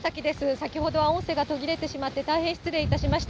先ほどは音声が途切れてしまって、大変失礼いたしました。